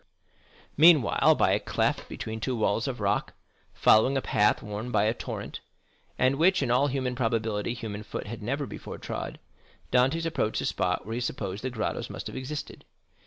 Meanwhile, by a cleft between two walls of rock, following a path worn by a torrent, and which, in all human probability, human foot had never before trod, Dantès approached the spot where he supposed the grottos must have existed.